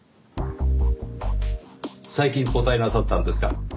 最近交代なさったんですか？